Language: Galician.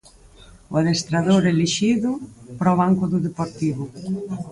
O adestrador elixido para o banco do Deportivo.